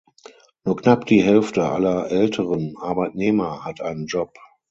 Nur knapp die Hälfte aller älteren Arbeitnehmer hat einen Job.